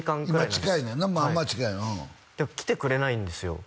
今近いねんなまあまあ近いんやうん来てくれないんですよ